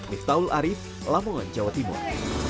miftahul arief lamongan jawa timur